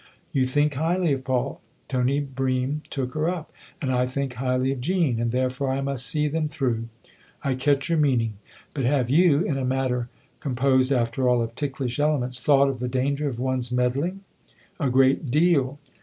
You think highly of Paul " Tony Bream took her up. " And I think highly of Jean, and therefore I must see them through ? I THE OTHER HOUSE 159 catch your meaning. But have you in a matter composed, after all, of ticklish elements thought of the danger of one's meddling ?"" A great deal."